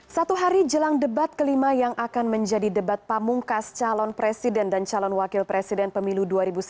satu hari jelang debat kelima yang akan menjadi debat pamungkas calon presiden dan calon wakil presiden pemilu dua ribu sembilan belas